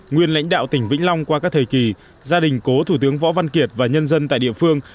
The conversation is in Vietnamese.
nguyên lãnh đạo tỉnh vĩnh long qua các thời kỳ gia đình cố thủ tướng võ văn kiệt và nhân dân tại địa phương